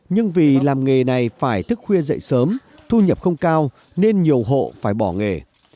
nhưng vì làm nghề này phải thức khuya dậy sớm thu nhập không cao nên nhiều hộ phải bỏ nghề